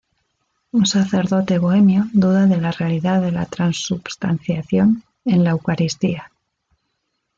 Un sacerdote bohemio duda de la realidad de la Transubstanciación en la Eucaristía.